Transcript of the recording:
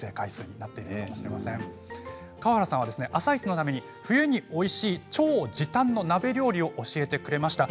川原さんは「あさイチ」のために冬においしい超時短の鍋料理を教えてくれました。